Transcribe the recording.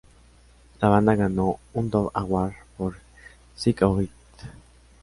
La banda ganó un Dove Award por "Sick of It.